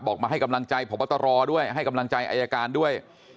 มาให้กำลังใจพบตรด้วยให้กำลังใจอายการด้วย